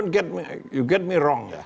anda salah mengatakan saya ya